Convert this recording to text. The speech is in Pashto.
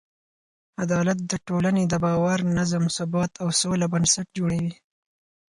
عدالت د ټولنې د باور، نظم، ثبات او سوله بنسټ جوړوي.